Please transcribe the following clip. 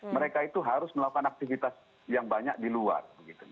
mereka itu harus melakukan aktivitas yang banyak di luar